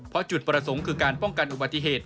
เพราะจุดประสงค์คือการป้องกันอุบัติเหตุ